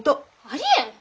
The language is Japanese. ありえん！